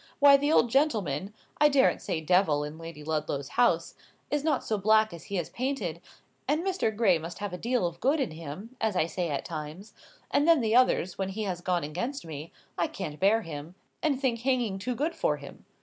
Why the old gentleman (I daren't say Devil in Lady Ludlow's house) is not so black as he is painted; and Mr. Gray must have a deal of good in him, as I say at times; and then at others, when he has gone against me, I can't bear him, and think hanging too good for him.